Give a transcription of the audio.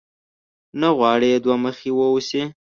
نه غواړې دوه مخی واوسې؟